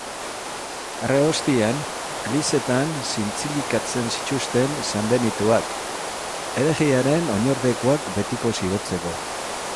Erre ostean, elizetan zintzilikatzen zituzten sanbenitoak, herejearen oinordekoak betiko zigortzeko.